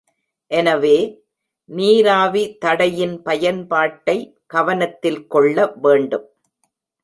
எனவே, நீராவி தடையின் பயன்பாட்டை கவனத்தில் கொள்ள வேண்டும்.